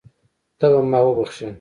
ته به ما وبښې.